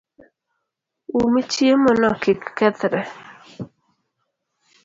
Um chiemo no kik kethre